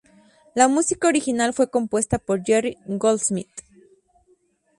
La música original fue compuesta por Jerry Goldsmith.